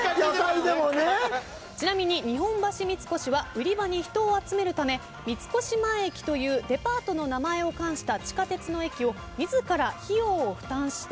ちなみに日本橋三越は売り場に人を集めるため三越前駅というデパートの名前を冠した地下鉄の駅を自ら費用を負担して１９３２年に開業。